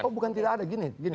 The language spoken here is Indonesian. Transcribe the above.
oh bukan tidak ada gini